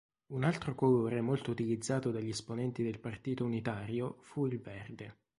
Un altro colore molto utilizzato dagli esponenti del partito unitario fu il verde.